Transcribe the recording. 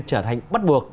trở thành bắt buộc